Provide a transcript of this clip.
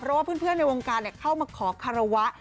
เพราะว่าเพื่อนในวงการเข้ามาขอคารวะ